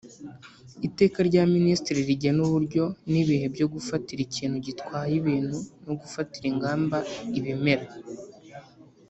Iteka rya Minisitiri rigena uburyo n’ibihe byo gufatira ikintu gitwaye ibintu no gufatira ingamba ibimera